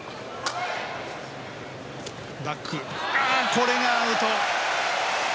これはアウト。